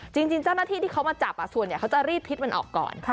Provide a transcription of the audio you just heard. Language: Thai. จริงเจ้าหน้าที่ที่เขามาจับส่วนใหญ่เขาจะรีดพิษมันออกก่อน